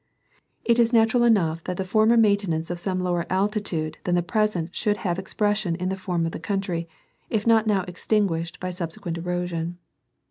It is natural enough that the former maintenance of some lower altitude than the present should have expression in the form of the country, if not now extinguished by subsequent erosion.